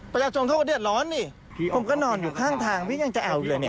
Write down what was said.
ประชาชนโทษเดียดร้อนนี่ผมก็นอนอยู่ข้างทางพี่ยังจะแอวเกลือเนี้ย